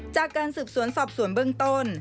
จากการสืบสวนสอบสวนเบื้องต้น